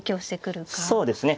そうですね。